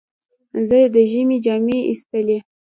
زه د ژمي جامې ایستلې.